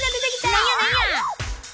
何や何や？